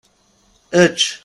Ečč!